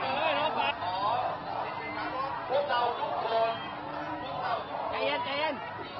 ของพวกเราไม่ได้ใช้ได้คนแหล่งตายแล้วนะครับดังนั้นผม